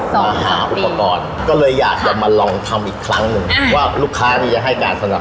มาหาอุปกรณ์ก็เลยอยากจะมาลองทำอีกครั้ง๑ว่าลูกค้านี้ใช่ไหมครับ